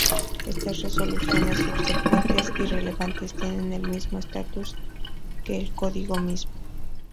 Estas resoluciones subsecuentes y relevantes tienen el mismo estatus que el Código mismo.